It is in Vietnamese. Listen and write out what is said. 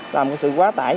là một sự quá tải